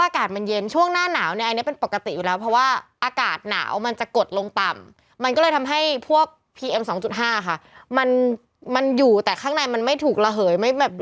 เขาไม่เคยทิ้งเราไปไปไหนเลย